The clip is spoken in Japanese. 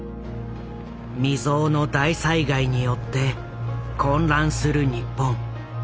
未曽有の大災害によって混乱する日本。